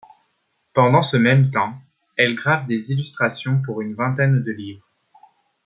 Pendant ce même temps, elle grave des illustrations pour une vingtaine de livres.